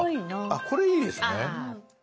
あっこれいいですね。